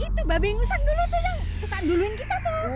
itu babi ngusang dulu tuh yang suka duluin kita tuh